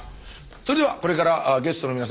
それではこれからゲストの皆様